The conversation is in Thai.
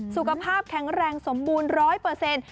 สุขภาพแข็งแรงสมบูรณ์๑๐๐